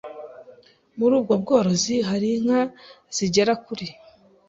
Muri ubwo bworozi hari inka zigera kuri